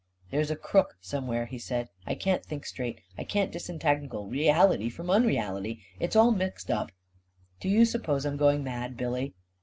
11 There's a crook somewhere," he said; " I can't think straight — I can't disentangle reality from un reality — it's all mixed up. Do you suppose I'm going mad, Billy?